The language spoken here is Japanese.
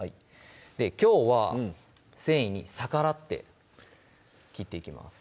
きょうは繊維に逆らって切っていきます